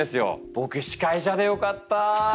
僕司会者でよかった。